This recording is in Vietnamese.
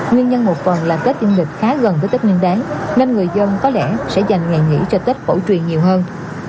nguyên nhân một phần là tết diễn định khá gần với tết ninh đáng nên người dân có lẽ sẽ dành ngày nghỉ cho tết phổ truyền nhiều hơn